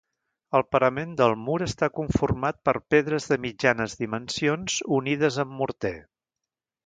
El parament del mur està conformat per pedres de mitjanes dimensions unides amb morter.